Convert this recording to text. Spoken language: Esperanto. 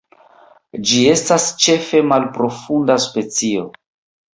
Ĝi estas ĉefe malprofunda specio.